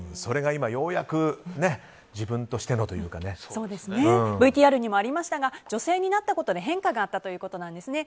それが、今ようやくＶＴＲにもありましたが女性になったことで変化があったということなんですね。